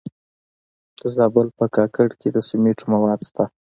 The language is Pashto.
د زابل په کاکړ کې د سمنټو مواد شته.